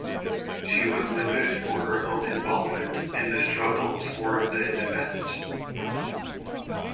She was noted for her own involvement in the struggle for the independence.